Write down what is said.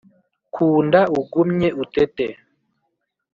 Kunda ugumye utete